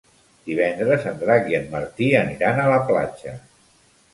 Divendres en Drac i en Martí aniran a la platja.